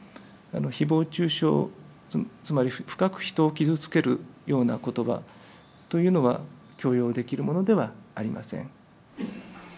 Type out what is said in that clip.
ひぼう中傷、つまり深く人を傷つけるようなことばというのは、許容できるものではありません。